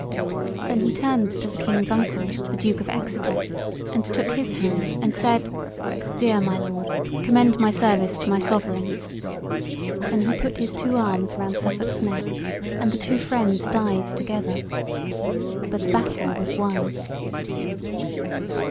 Then he turned to the king's uncle, the Duke of Exeter, and took his hand and said: "Dear my lord, commend my service to my sovereign." Then he put his two arms round Suffolk's neck, and the two friends died together. But the battle was won.